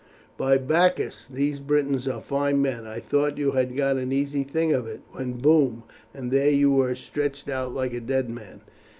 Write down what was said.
By Bacchus, these Britons are fine men! I thought you had got an easy thing of it, when boom! and there you were stretched out like a dead man."